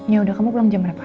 ya udah kamu pulang jam berapa